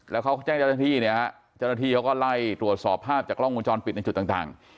แล้วเขาแจ้งเจ้าหน้าที่เนี่ยฮะเจ้าหน้าที่เขาก็ไล่ตรวจสอบภาพจากกล้องวงจรปิดในจุดต่าง